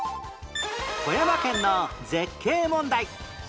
富山県の絶景問題